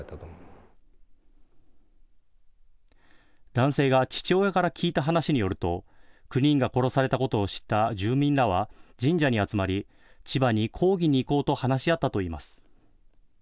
男性が父親から聞いた話によると９人が殺されたことを知った住民らは神社に集まり、千葉に抗議に行こうと話し合ったといいます。